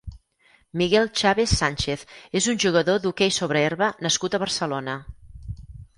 Miguel Chaves Sánchez és un jugador d'hoquei sobre herba nascut a Barcelona.